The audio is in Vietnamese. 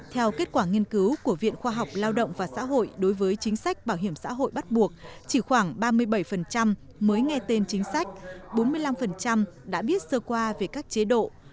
theo kết quả nghiên cứu của viện khoa học lao động và xã hội đối với chính sách bảo hiểm xã hội bắt buộc chỉ khoảng ba mươi bảy mới nghe tên chính sách bốn mươi năm đã biết sơ qua về các chế độ